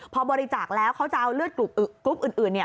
พอบริจาคแล้วเขาจะเอาเลือดกรุ๊ปอื่น